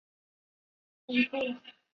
分布在台湾高山草地。